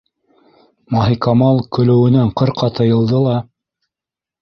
Маһикамал көлөүенән ҡырҡа тыйылды ла: